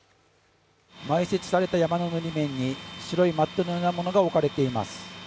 埋設された山ののり面に白いマットのようなものが置かれています。